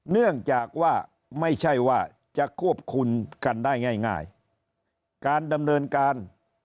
เนื่องจากว่าไม่ใช่ว่าจะควบคุมกันได้ง่ายการดำเนินการ